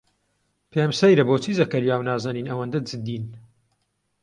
پێم سەیرە بۆچی زەکەریا و نازەنین ئەوەندە جددین.